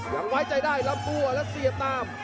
ยังไว้ใจได้ลำตัวและเสียบตาม